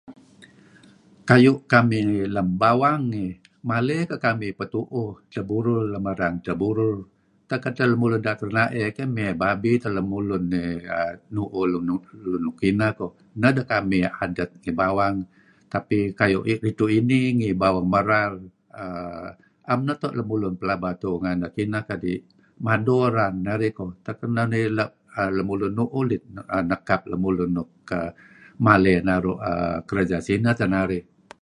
kayuh kamih lam bawang ngi, maley kakamih patu'uh saburul lam arang adtah saburul, utak adtah daat lamulun ranae [keh..] amey abi abi tah lemulun[aah] nu'uh lun nuk kinah [koh..]nah dah kamih adat ngi bawang, [tapi] kayuh kuh ri'suh i'nih ngi bawang maral[aah] a'm natoh lamulun pelaba tuuh nganah kadih mado rang narih [koh] utak narih lah nuuh, ulit nakap lamulun nuk maley[aah] nu'uh kerja sinah tah narih.